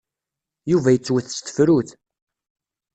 Yuba yettwet s tefrut.